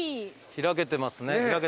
開けてますね。